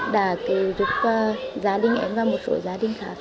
đã giúp gia đình em và một số gia đình khác